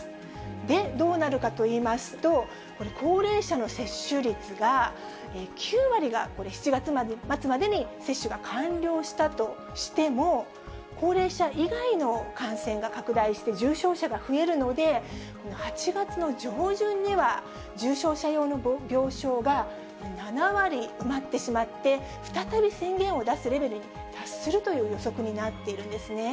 で、どうなるかといいますと、これ、高齢者の接種率が、９割が７月末までに接種が完了したとしても、高齢者以外の感染が拡大して重症者が増えるので、８月の上旬には、重症者用の病床が７割埋まってしまって、再び宣言を出すレベルに達するという予測になっているんですね。